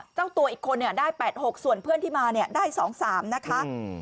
เจ้าตัวอีกคนเนี่ยได้๘๖ส่วนเพื่อนที่มาเนี่ยได้๒๓นะคะ